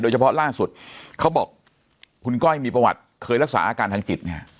เฉพาะล่าสุดเขาบอกคุณก้อยมีประวัติเคยรักษาอาการทางจิตเนี่ย